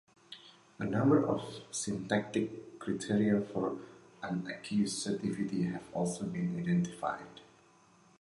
A number of syntactic criteria for unaccusativity have also been identified.